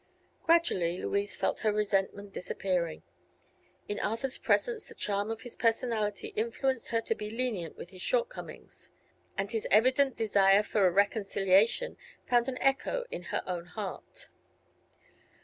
Gradually Louise felt her resentment disappearing. In Arthur's presence the charm of his personality influenced her to be lenient with his shortcomings. And his evident desire for a reconciliation found an echo in her own heart.